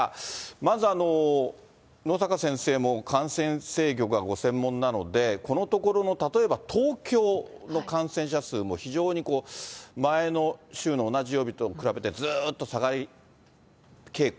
まず、野阪先生も感染制御がご専門なので、このところの例えば、東京の感染者数も非常に前の週の同じ曜日と比べて、ずーっと下がり傾向。